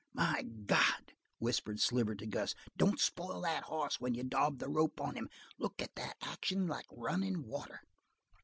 "My God," whispered Sliver to Gus, "don't spoil that hoss when you daub the rope on him! Look at that action; like runnin' water!"